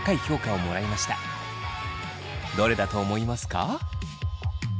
どれだと思いますか？